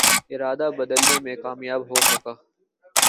ارادہ بدلنے میں کامیاب ہو سکا